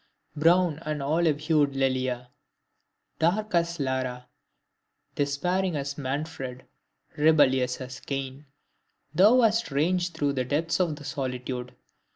Brown and olive hued Lelia! Dark as Lara, despairing as Manfred, rebellious as Cain, thou hast ranged through the depths of solitude!